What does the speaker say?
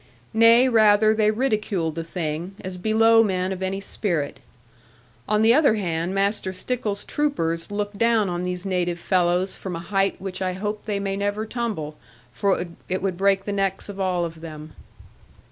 Nay, rather they ridiculed the thing, as below men of any spirit. On the other hand, Master Stickles's troopers looked down on these native fellows from a height which I hope they may never tumble, for it would break the necks of all of them.